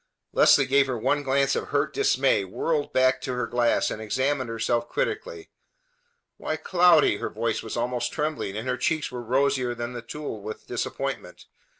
Leslie gave her one glance of hurt dismay, whirled back to her glass, and examined herself critically. "Why, Cloudy!" Her voice was almost trembling, and her cheeks were rosier than the tulle with disappointment.